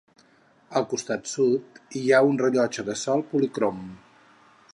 Al costat sud hi ha un rellotge de sol policrom.